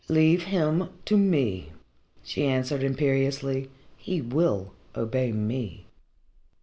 "Leave him to me," she answered imperiously. "He will obey me."